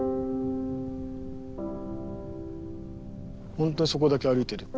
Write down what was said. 本当にそこだけ歩いてるっていう。